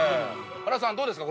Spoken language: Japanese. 原さんどうですか？